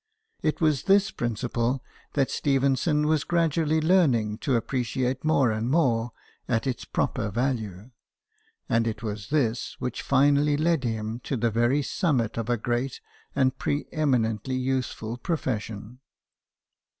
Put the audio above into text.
It was this principle that Stephenson was gradually learning to appreciate more and more at its proper value ; and it was this which finally led him to the very summit of a great and pre eminently useful profession.